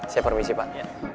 saya permisi pak